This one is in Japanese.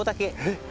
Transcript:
えっ！？